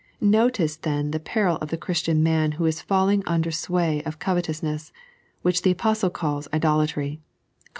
Notice then the peril of the Christian man who is falling nnder the sway of covetouMnees, which the Apostle calls idolatry (Col.